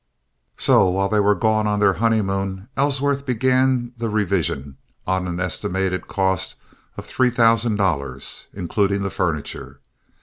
So while they were gone on their honeymoon Ellsworth began the revision on an estimated cost of three thousand dollars, including the furniture.